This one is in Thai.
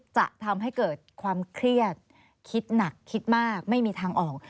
จะทำให้เกิดความเครียดคิดหนักคิดมากไม่มีทางออก